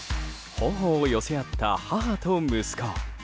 頬を寄せ合った母と息子。